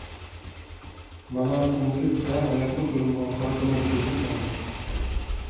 مانا ئەمدىلىكتە ھاياتلىق يولۇمغا قارا تۇمان پۈركۈپ ماڭدىڭ.